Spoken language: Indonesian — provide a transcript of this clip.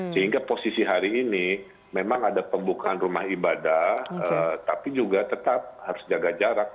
sehingga posisi hari ini memang ada pembukaan rumah ibadah tapi juga tetap harus jaga jarak